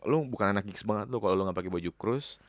lu bukan anak giggs banget loh kalo lu gak pakai baju kruz